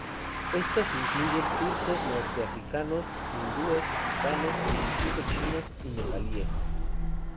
Estas incluyen turcos, norteafricanos, hindúes, gitanos e incluso chinos y nepalíes.